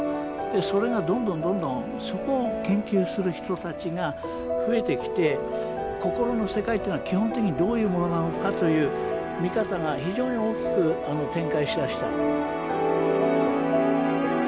それがどんどんどんどんそこを研究する人たちが増えてきて心の世界というのが基本的にどういうものなのかという見方が非常に大きく展開しだした。